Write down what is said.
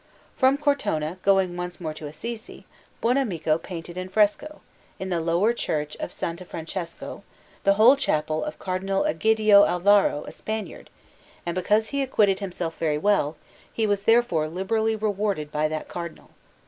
From Cortona going once more to Assisi, Buonamico painted in fresco, in the lower Church of S. Francesco, the whole Chapel of Cardinal Egidio Alvaro, a Spaniard; and because he acquitted himself very well, he was therefore liberally rewarded by that Cardinal.